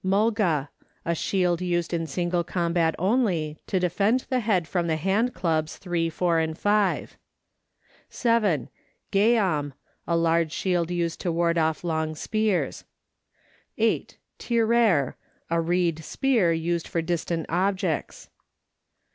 Mulga, a shield used in single combat only, to defend the head from the hand clubs 3, 4, and 5. (7.) Geam, a large shield used to ward off long spears. (8.) Tirrer, a reed spear used for distant objects.